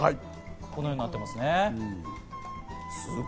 このようになっております。